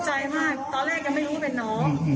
ใจมากตอนแรกยังไม่รู้ว่าเป็นน้อง